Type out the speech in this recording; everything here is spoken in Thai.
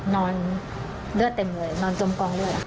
นอนเลือดเต็มเลยนอนจมกองเลือด